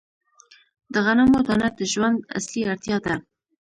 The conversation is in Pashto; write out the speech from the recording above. د غنمو دانه د ژوند اصلي اړتیا ده.